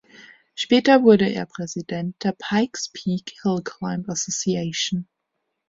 Später wurde er Präsident der Pikes Peak Hillclimb Association.